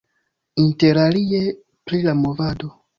Interalie pri la movado.